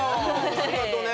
ありがとね。